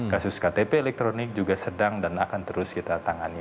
kasus ktp elektronik juga sedang dan akan terus kita tangani